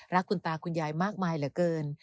คุณตาคุณยายมากมายเหลือเกิน